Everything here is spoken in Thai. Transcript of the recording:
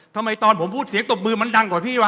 ทำไมตอนผมพูดเสียงตบมือมันดังกว่าพี่ว่